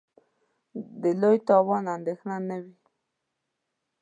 د لوی تاوان اندېښنه نه وي.